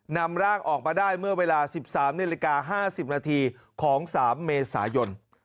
นำร่างออกมาได้เมื่อเวลา๑๓นาฬิกา๕๐นาทีของ๓เมษายน